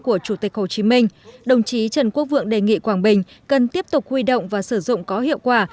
của chủ tịch hồ chí minh đồng chí trần quốc vượng đề nghị quảng bình cần tiếp tục huy động và sử dụng có hiệu quả